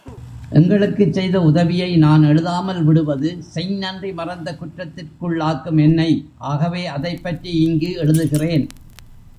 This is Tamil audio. எங்களுக்குச் செய்த உதவியை, நான் எழுதாமல் விடுவது, செய்ந்நன்றி மறந்த குற்றத்திற்குள்ளாக்கும் என்னை ஆகவே அதைப்பற்றி இங்கு எழுதுகிறேன்.